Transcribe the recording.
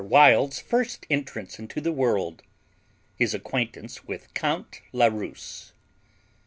WILD'S FIRST ENTRANCE INTO THE WORLD. HIS ACQUAINTANCE WITH COUNT LA RUSE.